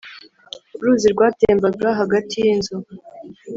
uruzi rwatembaga hagati yinzu